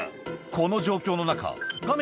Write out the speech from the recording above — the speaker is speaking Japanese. この状況の中画面